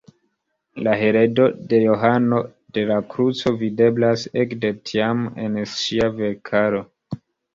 La heredo de Johano de la Kruco videblas ekde tiam en ŝia verkaro.